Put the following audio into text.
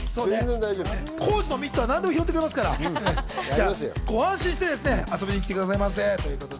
浩次のミットは何でも拾ってくれるんでご安心して遊びに来てください。